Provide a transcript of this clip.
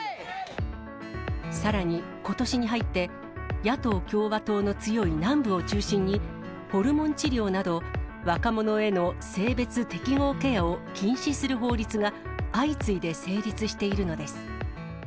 さらに、ことしに入って、野党・共和党の強い南部を中心に、ホルモン治療など、若者への性別適合ケアを禁止する法律が、相次いで成立しているのです。